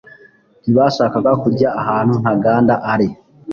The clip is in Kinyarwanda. ntibashakaga kujya ahantu Ntaganda ari,